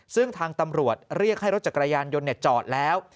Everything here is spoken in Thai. ซึ่งทางตำรวจเรียกให้รถจักรยานยนต์จอดแล้ว